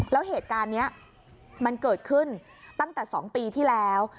แล้วเหตุการณ์นี้มันเกิดขึ้นตั้งแต่๒ปีที่แล้ว